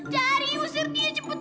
dari usir dia cepet pergi